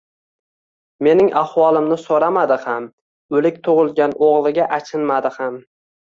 Mening ahvolimni so`ramadi ham, o`lik tug`ilgan o`g`liga achinmadi ham